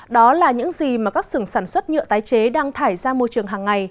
đó là những gì mà các xưởng sản xuất nhựa tái chế đang thải ra môi trường hàng ngày